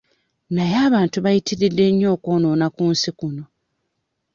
Naye abantu bayitiridde nnyo okwonoona ku nsi kuno.